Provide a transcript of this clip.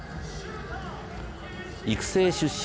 育成出身